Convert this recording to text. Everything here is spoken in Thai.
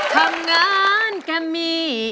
ทำงานกะหมี่